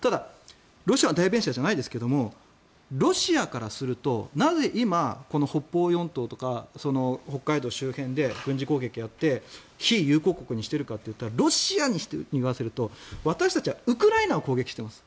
ロシアの代弁者じゃないですがなぜ今、北方四島とか北海道周辺で軍事攻撃をやって非友好国にしているかというとロシアに言わせると私たちはウクライナを攻撃しています。